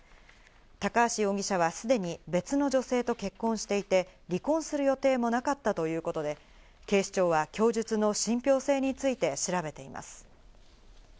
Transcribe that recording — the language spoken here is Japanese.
高橋容疑者はすでに別の女性と結婚していて、離婚する予定もなかったということで、警視庁は供述の信憑性について調べています。